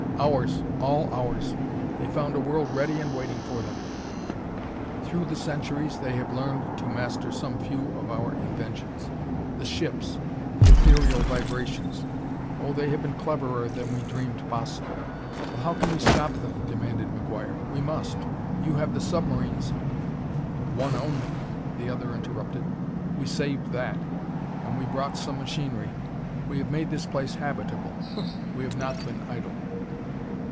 "Ours all ours! They found a world ready and waiting for them. Through the centuries they have learned to master some few of our inventions. The ships! the ethereal vibrations! Oh, they have been cleverer than we dreamed possible." "Well, how can we stop them?" demanded McGuire. "We must. You have the submarines " "One only," the other interrupted. "We saved that, and we brought some machinery. We have made this place habitable; we have not been idle.